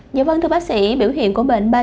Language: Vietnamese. như vâng thưa bác sĩ biểu hiện của bệnh bajedo